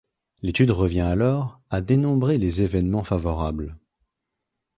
L'étude revient alors à dénombrer les évènements favorables.